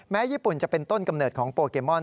ญี่ปุ่นจะเป็นต้นกำเนิดของโปเกมอน